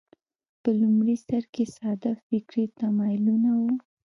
په لومړي سر کې ساده فکري تمایلونه وو